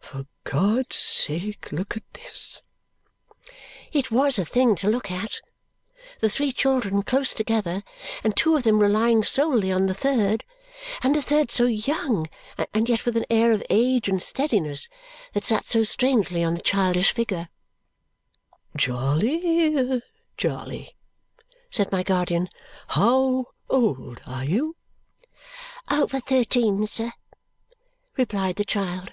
For God's sake, look at this!" It was a thing to look at. The three children close together, and two of them relying solely on the third, and the third so young and yet with an air of age and steadiness that sat so strangely on the childish figure. "Charley, Charley!" said my guardian. "How old are you?" "Over thirteen, sir," replied the child.